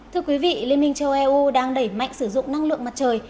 thưa quý vị liên minh châu âu đang đẩy mạnh sử dụng năng lượng mặt trời